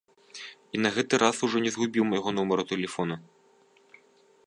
І на гэты раз ужо не згубіў майго нумару тэлефона.